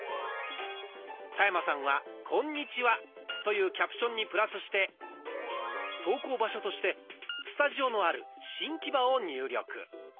田山さんは「こんにちは」というキャプションにプラスして投稿場所としてスタジオのある新木場を入力。